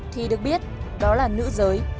thì được biết đó là nữ giới